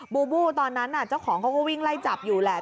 บูบูตอนนั้นเจ้าของเขาก็วิ่งไล่จับอยู่แหละ